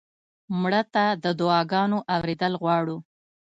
مړه ته د دعا ګانو اورېدل غواړو